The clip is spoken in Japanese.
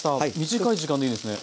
短い時間でいいんですね。